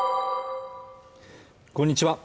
こんにちは